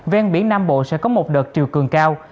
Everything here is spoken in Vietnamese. ven biển nam bộ sẽ có một đợt chiều cường cao